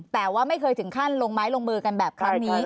แต่ว่าไม่เคยถึงขั้นลงไม้ลงมือกันแบบครั้งนี้